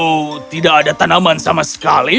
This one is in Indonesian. oh tidak ada tanaman sama sekali